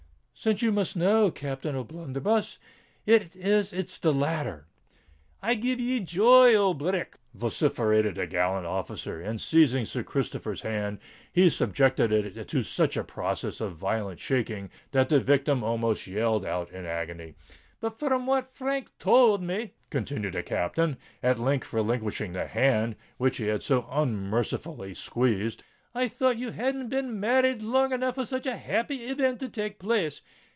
"Since you must know, Captain O'Blunderbuss," responded the Knight, "it is——the latter." "I give ye joy, old brick!" vociferated the gallant officer and seizing Sir Christopher's hand, he subjected it to such a process of violent shaking, that the victim almost yelled out with agony. "But from what Frank tould me," continued the Captain, at length relinquishing the hand which he had so unmercifully squeezed, "I thought you hadn't been married long enough for such a happy evint to take place.